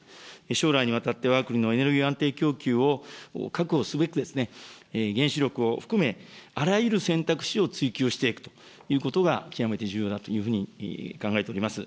将来にわたってわが国のエネルギー安定供給を確保すべく、原子力を含め、あらゆる選択肢を追求していくということが極めて重要だというふうに考えております。